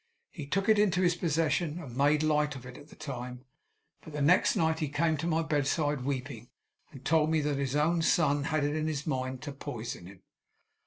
He took it into his possession, and made light of it at the time; but in the night he came to my bedside, weeping, and told me that his own son had it in his mind to poison him.